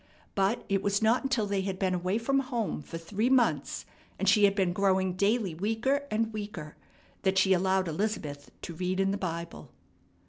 But it was not until they had been away from home for three months, and she had been growing daily weaker and weaker, that she allowed Elizabeth to read in the Bible.